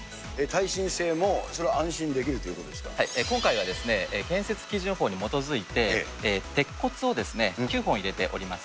耐震性も、それは安心できる今回はですね、建設基準法に基づいて、鉄骨を９本入れております。